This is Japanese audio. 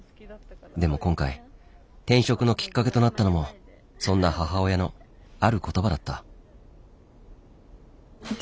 でも今回転職のきっかけとなったのもそんな母親のある言葉だった。